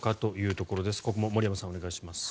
ここも森山さん、お願いします。